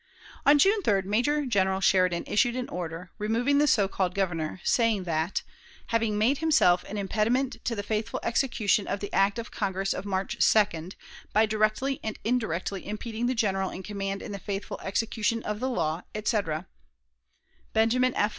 On June 3d Major General Sheridan issued an order, removing the so called Governor, saying that, "having made himself an impediment to the faithful execution of the act of Congress of March 2d, by directly and indirectly impeding the General in command in the faithful execution of the law," etc., Benjamin F.